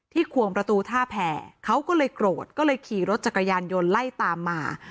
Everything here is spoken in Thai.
ควงประตูท่าแผ่เขาก็เลยโกรธก็เลยขี่รถจักรยานยนต์ไล่ตามมา